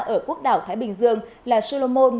ở quốc đảo thái bình dương là solomon